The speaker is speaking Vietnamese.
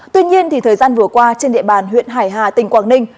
tuy nhiên thời gian vừa qua trên địa bàn huyện hải hà tỉnh quảng ninh